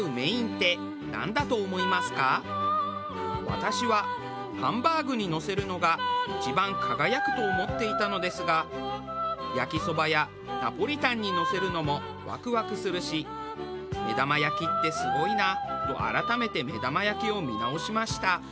私はハンバーグにのせるのが一番輝くと思っていたのですが焼きそばやナポリタンにのせるのもワクワクするし目玉焼きってすごいなと改めて目玉焼きを見直しました。